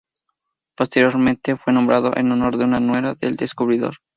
Posteriormente fue nombrado en honor de una nuera del descubridor.